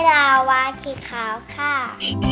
กาวาขี้ขาวค่ะ